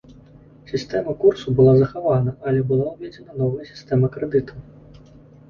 Сістэма курсу была захавана, але была ўведзена новая сістэма крэдытаў.